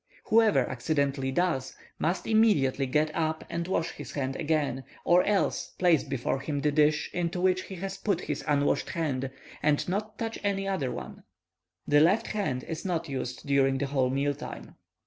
Whoever accidentally does, must immediately get up and wash his hand again, or else place before him the dish into which he has put his unwashed hand, and not touch any other one. The left hand is not used during the whole meal time.